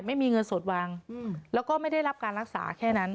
ไม่มีเงินสดวางแล้วก็ไม่ได้รับการรักษาแค่นั้น